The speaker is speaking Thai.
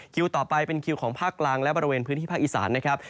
คิวต่อไปเป็นคิวของภาคกลางและบริเวณพื้นที่ภาคอีสานนะครับ